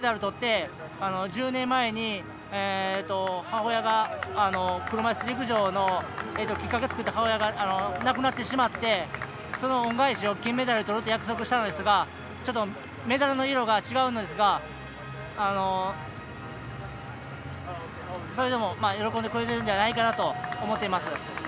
本当は、金メダルとって１０年前に車いす陸上のきっかけを作った母親が亡くなってしまってその恩返しで金メダルをとると約束したんですがちょっとメダルの色が違うんですがそれでも喜んでくれているんじゃないかなと思ってます。